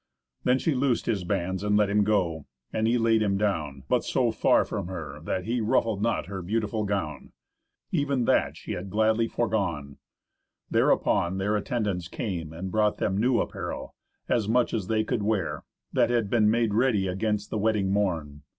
Then she loosed his bands, and let him go, and he laid him down, but so far from her that he ruffled not her beautiful gown. Even that she had gladly forgone. Thereupon their attendants came and brought them new apparel, as much as they could wear, that had been made ready against the wedding morn.